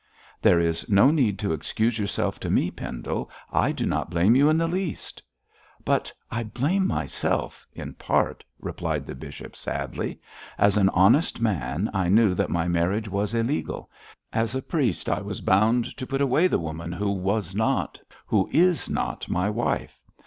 'There is no need to excuse yourself to me, Pendle. I do not blame you in the least.' 'But I blame myself in part,' replied the bishop, sadly. 'As an honest man I knew that my marriage was illegal; as a priest I was bound to put away the woman who was not who is not my wife.